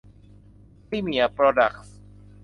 พรีเมียร์ โพรดักส์